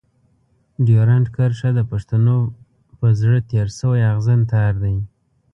ډيورنډ کرښه د پښتنو په زړه تېر شوی اغزن تار دی.